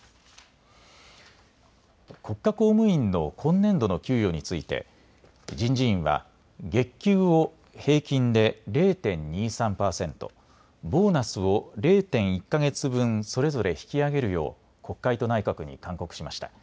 国家公務員の今年度の給与について人事院は月給を平均で０．２３％、ボーナスを０．１か月分それぞれ引き上げるよう国会と内閣に勧告しました。